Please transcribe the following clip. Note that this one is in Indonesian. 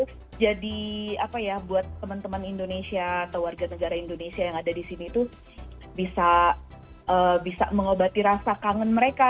dan sekaligus jadi apa ya buat teman teman indonesia atau warga negara indonesia yang ada di sini tuh bisa mengobati rasa kangen mereka